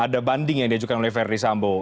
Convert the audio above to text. ada banding yang diajukan oleh verdi sambo